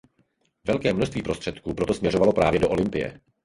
Velké množství prostředků proto směřovalo právě do Olympie.